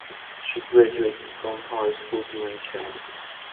She graduated from high school during camp.